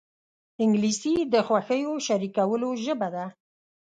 انګلیسي د خوښیو شریکولو ژبه ده